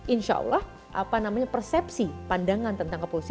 insya allah persepsi pandangan tentang kepolisian